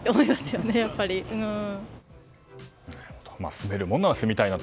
住めるもんなら住みたいと。